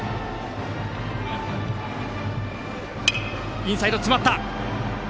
インサイド、詰まった！